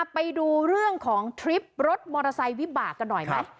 ไปดูเรื่องของทริปรถมอเตอร์ไซค์วิบากกันหน่อยไหม